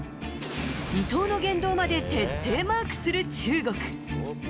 伊藤の言動まで徹底マークする中国。